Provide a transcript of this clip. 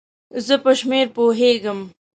زه په شمېر پوهیږم